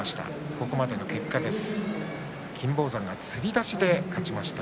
ここまでの結果です。